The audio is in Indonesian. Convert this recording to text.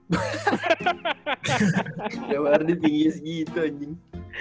william hardy pingginya segitu anjing